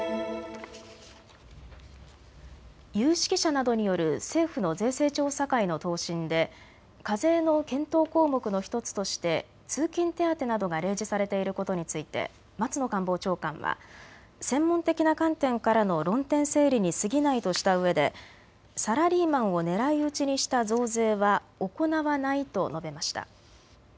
有識者などによる政府の税制調査会の答申で課税の検討項目の１つとして通勤手当などが例示されていることについて松野官房長官は専門的な観点からの論点整理にすぎないとしたうえでサラリーマンを狙い撃ちにした増税は行わないと述べました。